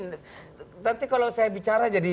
nanti kalau saya bicara jadi